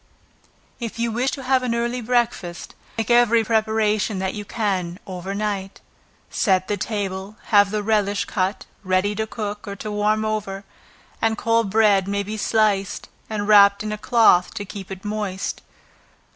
If you wish to have an early breakfast, make every preparation that you can, over night; set the table, have the relish cut, ready to cook, or to warm over and cold bread may be sliced, and wrapped in a cloth to keep it moist.